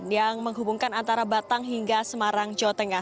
yang menghubungkan antara batang hingga semarang jawa tengah